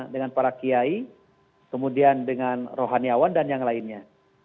dengan para kiai kemudian dengan rohaniawan dan yang lainnya